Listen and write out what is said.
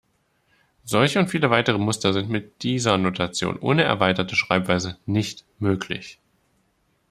Solche und viele weitere Muster sind mit dieser Notation ohne erweiterte Schreibweisen nicht möglich.